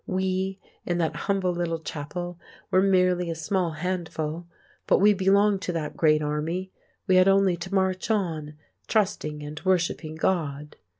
We in that humble little chapel were merely a small handful, but we belonged to that Great Army; we had only to march on, trusting and worshipping God.